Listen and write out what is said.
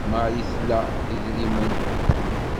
Marie tla idrimen.